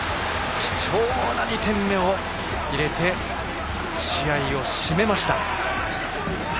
貴重な２点目を入れて試合を閉めました。